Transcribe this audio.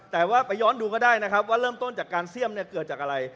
แต่ว่าไปย้อนดูก็ได้นะครับว่าเริ่มต้นจากการเสี่ยมเนี่ยเกิดจากอะไร